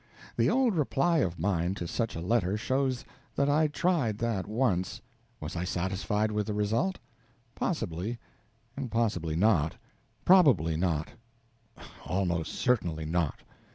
The old reply of mine to such a letter shows that I tried that once. Was I satisfied with the result? Possibly; and possibly not; probably not; almost certainly not.